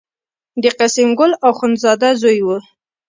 د قسیم ګل اخوندزاده زوی و.